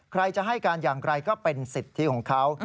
ใครจะให้การอย่างไรก็เป็นสิทธิของเขา